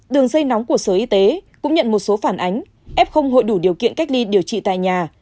đường dây nóng của sở y tế cũng nhận một số phản ánh f hội đủ điều kiện cách ly điều trị tại nhà